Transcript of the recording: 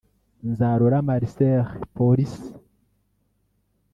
Nzarora Marcel(Police)